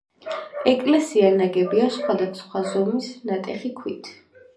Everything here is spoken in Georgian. ეკლესია ნაგებია სხვადასხვა ზომის ნატეხი ქვით.